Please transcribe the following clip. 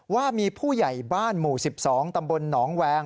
ว่ามีผู้ใหญ่บ้านหมู่๑๒ตำบลหนองแวง